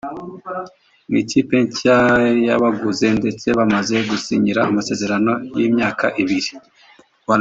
mu ikipe nshya yabaguze ndetse bamaze gusinyira amasezerano y’imyaka ibiri